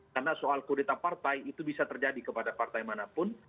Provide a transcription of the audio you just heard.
karena soal kualitas partai itu bisa terjadi kepada partai manapun